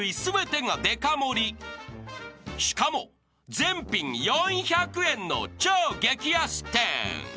［しかも全品４００円の超激安店］